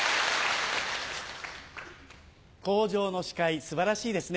口上の司会素晴らしいですね。